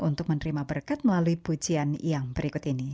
untuk menerima berkat melalui pujian yang berikut ini